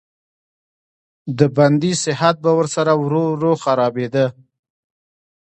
د بندي صحت به ورسره ورو ورو خرابېده.